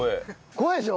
怖いでしょ？